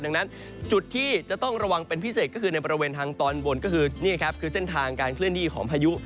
ดังนั้นจุดที่จะต้องระวังเป็นพิเศษก็คือในบริเวณทางตอนบนก็คือนี่ครับคือเส้นทางการเคลื่อนที่ของพายุ